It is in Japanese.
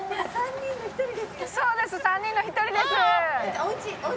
そうです３人の１人です。